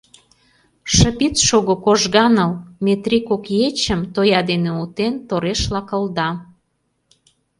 — Шып ит шого, кожганыл, — Метрий кок ечым, тоя дене утен, торешла кылда.